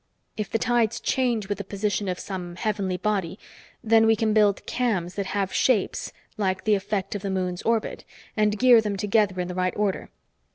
If the tides change with the position of some heavenly body, then we can build cams that have shapes like the effect of the moon's orbit, and gear them together in the right order.